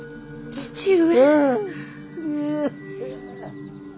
父上。